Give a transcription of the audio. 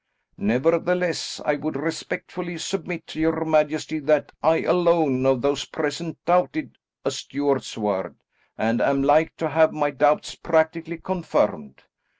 Nevertheless I would respectfully submit to your majesty that I alone of those present doubted a Stuart's word, and am like to have my doubts practically confirmed.